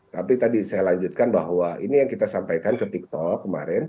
tapi tadi saya lanjutkan bahwa ini yang kita sampaikan ke tiktok